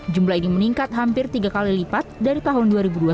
jumlah ini meningkat hampir tiga kali lipat dari tahun dua ribu dua puluh satu